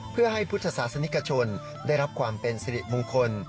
เพื่อให้พุทธศาสนิกชนได้รับความเป็นสิริมงคล